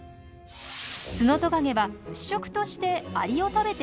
ツノトカゲは主食としてアリを食べていましたよね？